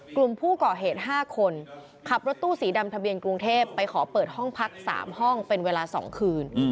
กลุ่มผู้ก่อเหตุ๕คนขับรถตู้สีดำทะเบียนกรุงเทพไปขอเปิดห้องพัก๓ห้องเป็นเวลา๒คืน